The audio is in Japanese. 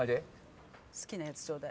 好きなやつちょうだい。